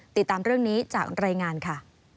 ติดตามเรื่องนี้จากรายงานค่ะ